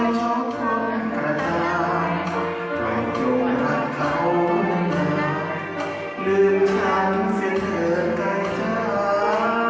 ไม่ชอบคนกระดาษไม่โดนรักเขามากลืมทำเสียงเกินใกล้จักร